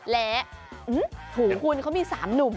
และถูคุณเขามี๓หนุ่ม